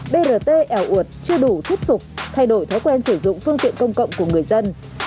bởi vì bản thân brt ẻo ụt chưa đủ thuyết phục thay đổi thói quen sử dụng phương tiện công cộng của người dân